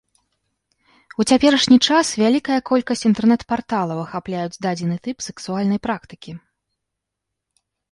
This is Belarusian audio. У цяперашні час вялікая колькасць інтэрнэт-парталаў ахапляюць дадзены тып сэксуальнай практыкі.